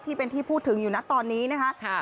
ที่เป็นที่พูดถึงอยู่นะตอนนี้นะคะ